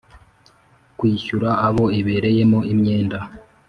kwishyura abo ibereyemo imyenda